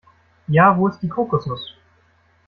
Ja, wo ist die Kokosnuss?